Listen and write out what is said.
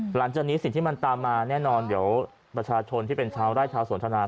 หลังจากนี้สิ่งที่มันตามมาแน่นอนเดี๋ยวประชาชนที่เป็นชาวไร่ชาวสนทนา